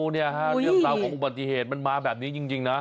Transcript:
เนี่ยฮะเรื่องราวของอุบัติเหตุมันมาแบบนี้จริงนะ